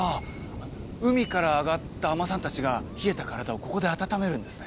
海から上がった海女さんたちが冷えた体をここで温めるんですね？